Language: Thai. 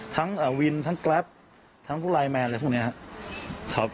ทั้งวินทั้งแกรปทั้งพวกไลน์แมนอะไรพวกนี้ครับ